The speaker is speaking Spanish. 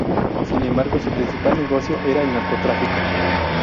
Sin embargo, su principal negocio era el narcotráfico.